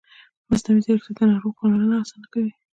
مصنوعي ځیرکتیا د ناروغ پاملرنه اسانه کوي.